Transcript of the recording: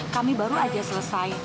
kami baru aja selesai